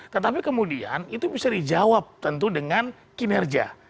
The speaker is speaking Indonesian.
tetapi kemudian itu bisa dijawab tentu dengan kinerja